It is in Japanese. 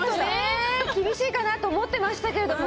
厳しいかなと思ってましたけれども。